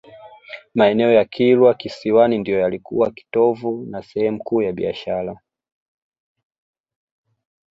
Maeneo ya Kilwa Kisiwani ndio yalikuwa kitovu na sehemu kuu ya biashara